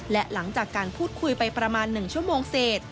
และหลังจากการพูดคุยไปประมาณ๑ชั่วโมงเสร็จ